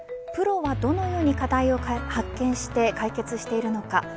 プロはどのように課題を発見して解決しているのか